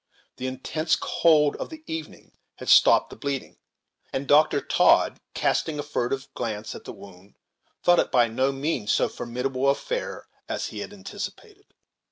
The intense cold of the evening had stopped the bleeding, and Dr. Todd, casting a furtive glance at the wound, thought it by no means so formidable an affair as he had anticipated.